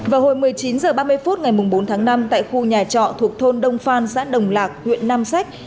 vào hồi một mươi chín h ba mươi phút ngày bốn tháng năm tại khu nhà trọ thuộc thôn đông phan xã đồng lạc huyện nam sách